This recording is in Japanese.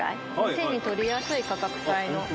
手に取りやすい価格帯のあっ